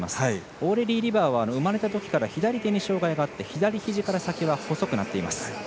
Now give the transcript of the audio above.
オーレリー・リバーは生まれたときから左手に障がいがあって左ひじから先が細くなっています。